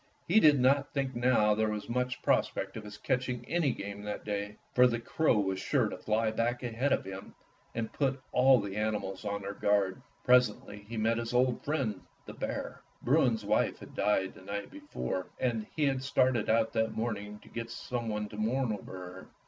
He did not think now there was much prospect of his catching any game that day, for the crow was sure to fly back ahead of him and put all the animals on their guard. Presently he met «his old friend, the bear. Bruin's wife had died the night before, and he had started out that morning to get some one to mourn over her.